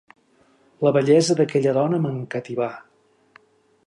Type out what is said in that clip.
La bellesa d'aquella dona m'encativà!